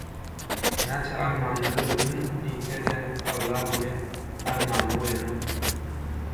Näçe «Armanly öldüm» diýse-de, Alla ony armanda goýanok.